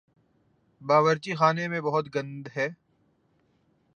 باورچی خانے میں بہت گند ہے